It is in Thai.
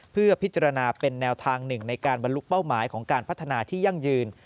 เพื่อพิจารณาเป็นแนวทางหนึ่งในการบรรลุเป้าหมายของการพัฒนาที่ยั่งยืน